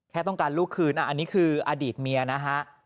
แค่ต้องการลูกคืนอันนี้คืออดีตเมียนะฮะ